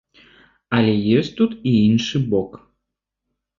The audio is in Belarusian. Але ёсць тут і іншы бок.